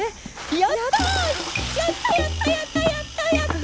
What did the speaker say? やったやったやったやったやった！